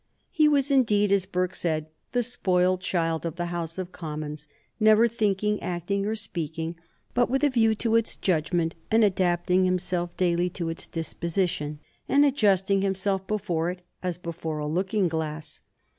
He was indeed, as Burke said, the spoiled child of the House of Commons, never thinking, acting, or speaking but with a view to its judgment, and adapting himself daily to its disposition, and adjusting himself before it as before a looking glass.